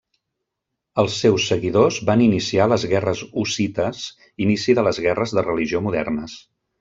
Els seus seguidors van iniciar les guerres hussites, inici de les guerres de religió modernes.